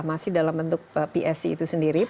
masih dalam bentuk psc itu sendiri